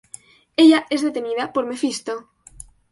Ella es detenida por Mephisto.